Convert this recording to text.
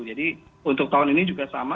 jadi untuk tahun ini juga sama